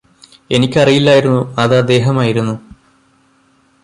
എനിക്കറിയില്ലായിരുന്നു അത് അദ്ദേഹമായിരുന്നു